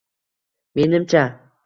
Menimcha